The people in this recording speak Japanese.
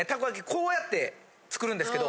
こうやって作るんですけど。